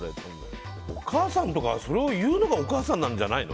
お母さんとかそれを言うのがお母さんなんじゃないの？